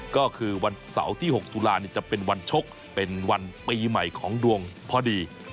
ก็คือวันเสาร์ที่๖ตุลาจะเป็นวันชกเป็นวันปีใหม่ของดวงพอดี